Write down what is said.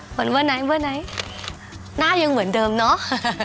เหมือนเบอร์ไหนหน้ายังเหมือนเดิมเนอะ